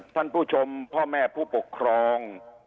ท่านผู้ชมพ่อแม่ผู้ปกครอง